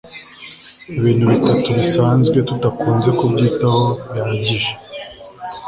ibintu bitatu bisanzwe tutakunze kubyitaho bihagije